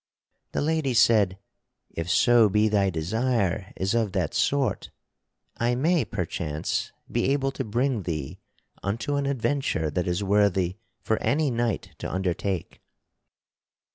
The lady said: "If so be thy desire is of that sort, I may, perchance be able to bring thee unto an adventure that is worthy for any knight to undertake.